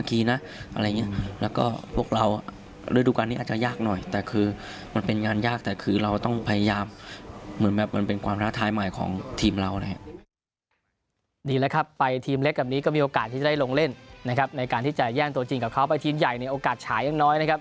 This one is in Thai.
นี่แหละครับไปทีมเล็กแบบนี้ก็มีโอกาสที่จะได้ลงเล่นนะครับในการที่จะแย่งตัวจริงกับเขาไปทีมใหญ่ในโอกาสฉายยังน้อยนะครับ